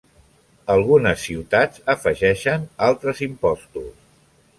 Algunes ciutats afegeixen altres impostos.